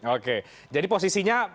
oke jadi posisinya